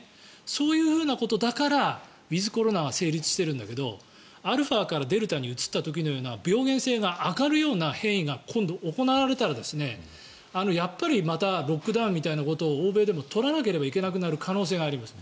そういうことだからウィズコロナは成立してるんだけどアルファからデルタに移った時のような病原性が上がるような変異が今度、行われたらやっぱりまたロックダウンみたいなことを欧米でも取らなければいけなくなる可能性があります。